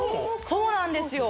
そうなんですよ